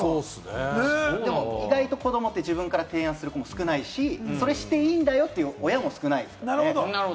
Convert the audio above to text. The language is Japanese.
意外と子どもって自分から提案するのは少ないし、それしていいんだよという親も少ないですね。